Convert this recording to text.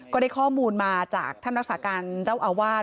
ก็ได้ข้อมูลมาจากท่านรักษาการเจ้าอาวาส